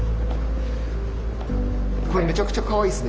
めちゃくちゃかわいいですね。